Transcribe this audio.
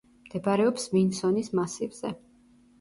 მდებარეობს ვინსონის მასივზე.